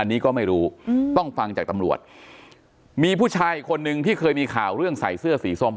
อันนี้ก็ไม่รู้ต้องฟังจากตำรวจมีผู้ชายอีกคนนึงที่เคยมีข่าวเรื่องใส่เสื้อสีส้ม